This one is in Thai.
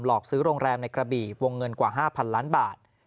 อกซื้อโรงแรมในกระบี่วงเงินกว่า๕๐๐ล้านบาท